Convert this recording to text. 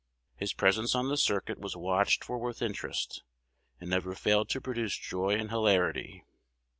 His presence on the circuit was watched for with interest, and never failed to produce joy and hilarity.